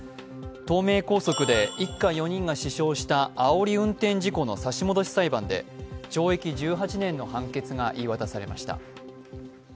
東名高速で一家４人が死傷したあおり運転事故の差し戻し裁判で懲役１８年の判決が言い渡されました。